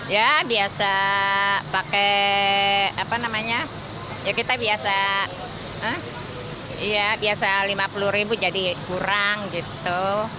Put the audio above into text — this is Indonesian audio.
ya biasa pakai apa namanya ya kita biasa rp lima puluh jadi kurang gitu